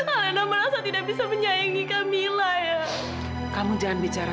alena merasa tidak bisa menyayangi camilla ya